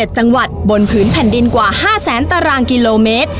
๗จังหวัดบนผืนแผ่นดินกว่า๕แสนตารางกิโลเมตร